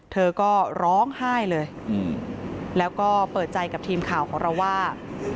เธอก็ร้องไห้เลยแล้วก็เปิดใจกับทีมข่าวของเราว่า